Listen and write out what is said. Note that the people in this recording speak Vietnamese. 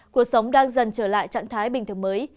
cuộc sống đang dần trở lại trạng thái bình thường mới